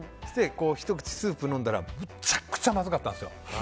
ひと口スープを飲んだらむちゃくちゃまずかったんですよ。